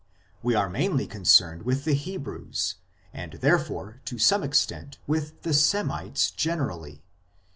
We are mainly concerned with the Hebrews, and there fore to some extent with the Semites generally.